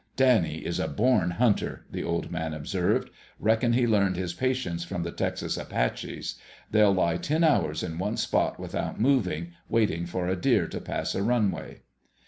"Danny is a born hunter," the Old Man observed. "Reckon he learned his patience from the Texas Apaches. They'll lie ten hours in one spot without moving, waiting for a deer to pass a runway."